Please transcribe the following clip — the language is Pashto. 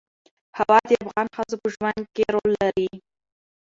هوا د افغان ښځو په ژوند کې رول لري.